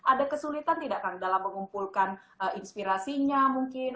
ada kesulitan tidak kang dalam mengumpulkan inspirasinya mungkin